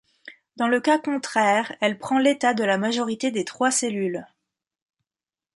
Dans le cas contraire, elle prend l'état de la majorité des trois cellules.